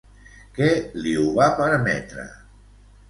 Què li ho va permetre?